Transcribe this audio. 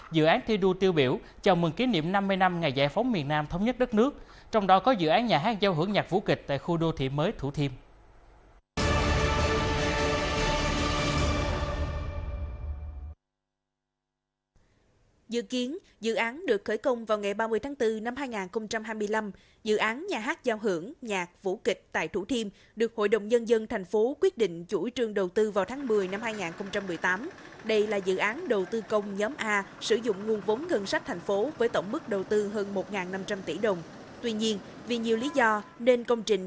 với tổng mức đầu tư hơn một năm trăm linh tỷ đồng tuy nhiên vì nhiều lý do nên công trình